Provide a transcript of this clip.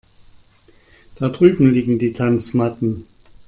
Da drüben liegen die Tanzmatten.